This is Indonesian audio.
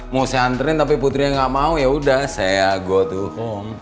mau saya anterin tapi putrinya gak mau yaudah saya go to home